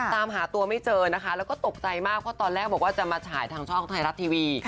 ตามหาตัวไม่เจอนะคะแล้วก็ตกใจมากเพราะตอนแรกบอกว่าจะมาฉายทางช่องไทยรัฐทีวี